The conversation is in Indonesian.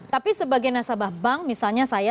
tapi sebagai nasabah bank misalnya saya